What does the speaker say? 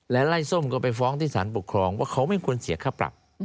และไล่ส้มก็ไปฟ้องที่สารปกครองว่าเขาไม่ควรเสียค่าปรับ